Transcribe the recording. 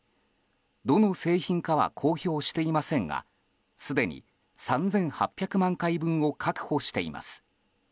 どの製品かは公表していませんがすでに３８００万回分を確保しています。